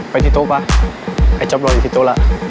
ไปที่ตู้ป่ะไอ้จ๊อบโดยอยู่ที่ตู้ละ